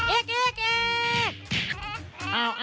เอเก้